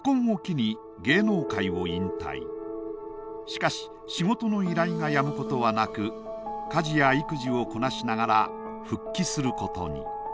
しかし仕事の依頼がやむことはなく家事や育児をこなしながら復帰することに。